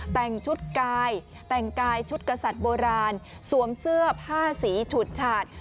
แต่งชุดกายแต่งกายชุดกษัตริย์โบราณสวมเสื้อผ้าสีฉุดฉาด